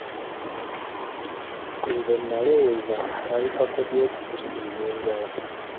Nze nnalowooza nti kaali kakodyo okutusiibya enjala.